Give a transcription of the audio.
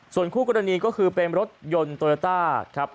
ส่วนคู่กรณีก็คือเป็นรถยนต์โตโยต้าครับ